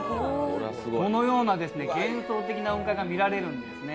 このような幻想的な雲海が見られるんです。